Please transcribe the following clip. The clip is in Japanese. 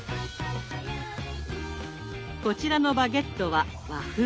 こちらのバゲットは和風。